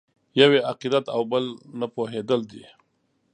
یو یې عقیدت او بل نه پوهېدل دي.